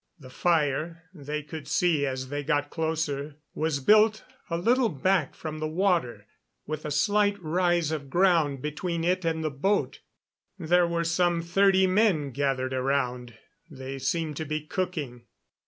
The fire, they could see as they got closer, was built a little back from the water, with a slight rise of ground between it and the boat. There were some thirty men gathered around; they seemed to be cooking.